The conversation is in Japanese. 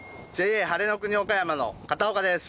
ＪＡ晴れの国岡山の片岡です。